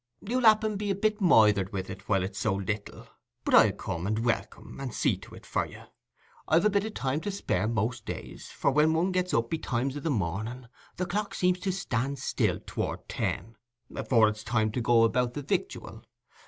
You'll happen be a bit moithered with it while it's so little; but I'll come, and welcome, and see to it for you: I've a bit o' time to spare most days, for when one gets up betimes i' the morning, the clock seems to stan' still tow'rt ten, afore it's time to go about the victual.